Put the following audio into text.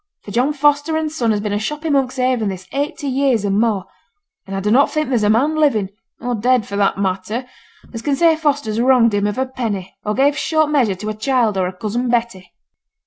For John Foster and Son has been a shop i' Monkshaven this eighty years and more; and I dunnot think there's a man living or dead, for that matter as can say Fosters wronged him of a penny, or gave short measure to a child or a Cousin Betty.'